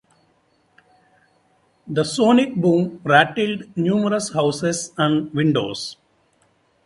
The sonic boom rattled numerous houses and windows.